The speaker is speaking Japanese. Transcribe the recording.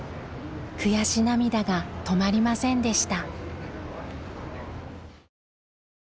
悔し涙が止まりませんでした。